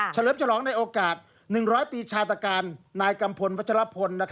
เลิมฉลองในโอกาส๑๐๐ปีชาตการนายกัมพลวัชลพล